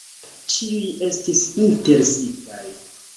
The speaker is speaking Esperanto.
Ĉiuj estis interesitaj.